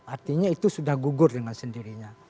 artinya itu sudah gugur dengan sendirinya